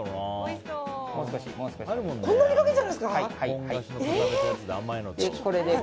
こんなにかけちゃうんですか？